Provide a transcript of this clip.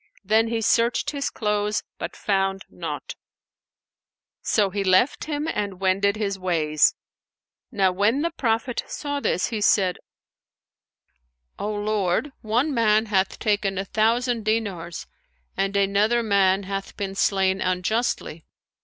Then he searched his clothes, but found naught; so he left him and wended his ways. Now when the Prophet saw this, he said, "O Lord, one man hath taken a thousand dinars and another man hath been slain unjustly."